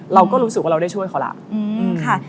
เราก็รู้สึกว่าเราได้ช่วยเขาแล้วค่ะ